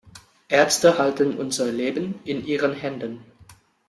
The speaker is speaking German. Ärzte halten unser Leben in ihren Händen.